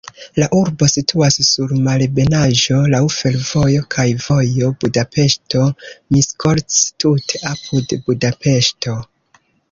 La urbo situas sur malebenaĵo, laŭ fervojo kaj vojo Budapeŝto-Miskolc, tute apud Budapeŝto.